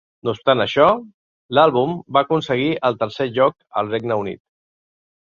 No obstant això, l'àlbum va aconseguir el tercer lloc al Regne Unit.